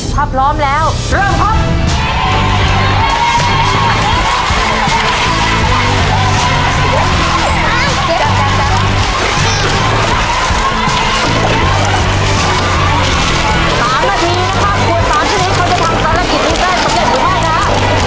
ถ้าพร้อมแล้วเริ่มครับ